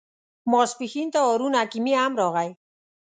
ماپښین ته هارون حکیمي هم راغی.